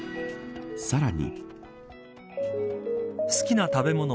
さらに。